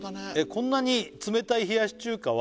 「こんなに冷たい冷やし中華は」